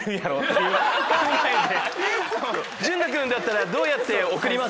淳太君だったらどうやって送ります？